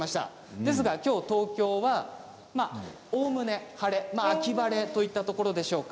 ですがきょう東京はおおむね晴れ秋晴れといったところでしょうか。